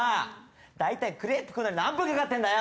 大体クレープ食うのに何分かかってんだよ